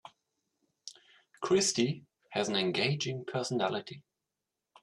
Christy has an engaging personality.